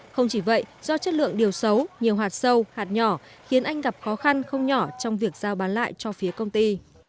không chỉ vậy do chất lượng điều xấu nhiều hạt sâu hạt nhỏ khiến anh gặp khó khăn không nhỏ trong việc giao bán lại cho phía công ty